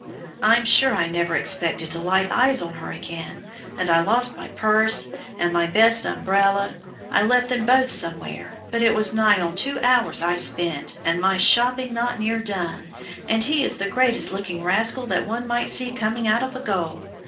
I'm sure I never expected to light eyes on her again, and I lost my purse and my best umbrella; I left them both somewhere, but it was nigh on two hours I spent, and my shopping not near done, and he the greatest looking rascal that one might see coming out of jail.